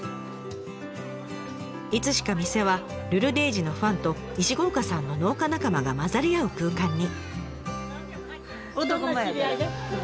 いつしか店はルルデイジーのファンと石郷岡さんの農家仲間が交ざり合う空間に。